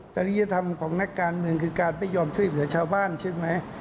จริยธรรมของนักการเมืองคือการไม่ยอมช่วยเหลือชาวบ้านใช่ไหม